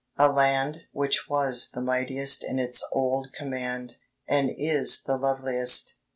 a land Which was the mightiest in its old command, And is the loveliest